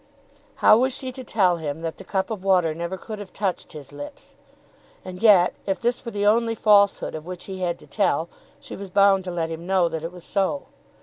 How was she to tell him that the cup of water never could have touched his lips? And yet if this were the only falsehood of which he had to tell, she was bound to let him know that it was so.